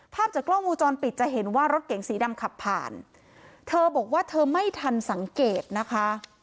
ภาพจากกล้องวงจรปิดจะเห็นว่ารถเก๋งสีดำขับผ่านเธอบอกว่าเธอไม่ทันสังเกตนะคะ